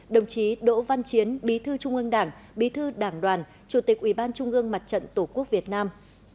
đồng chí đỗ văn chiến bí thư trung ương đảng bí thư đảng đoàn chủ tịch ủy ban trung ương mặt trận tổ quốc việt nam